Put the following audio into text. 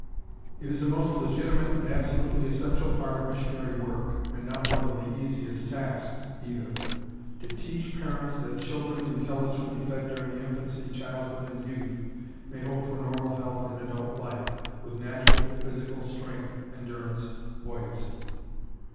] It is a most legitimate and absolutely essential part of missionary work, and not one of the easiest tasks, either, to teach parents that "children intelligently fed during infancy, childhood, and youth may hope for normal health in adult life, with natural physical strength, endurance, buoyancy."